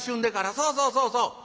そうそうそうそうそう。